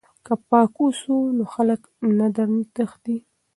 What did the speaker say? که پاک اوسو نو خلک نه درنه تښتي.